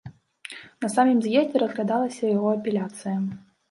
На самім з'ездзе разглядалася яго апеляцыя.